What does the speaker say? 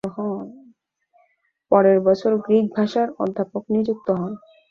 পরের বছর গ্রিক ভাষার অধ্যাপক নিযুক্ত হন।